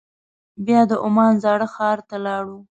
بیا د عمان زاړه ښار ته لاړو.